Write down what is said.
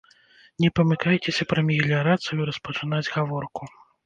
Не памыкайцеся пра меліярацыю распачынаць гаворку!